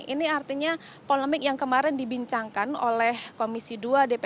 ini artinya polemik yang kemarin dibincangkan oleh komisi dua dan ktp sembilan